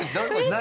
何？